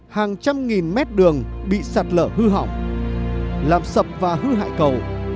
hàng trăm nghìn mét đường bị sạt lở hư hỏng làm sập và hư hại cầu